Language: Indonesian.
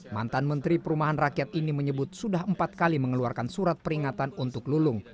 mantan menteri perumahan rakyat ini menyebut sudah empat kali mengeluarkan surat peringatan untuk lulung